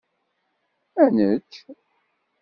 Ad nečč.